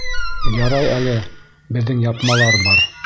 Ярай әле беҙҙең япмалар бар.